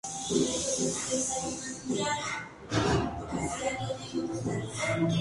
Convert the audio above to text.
Posteriormente realizó una maestría y un doctorado los cuales obtuvo con mención honorífica.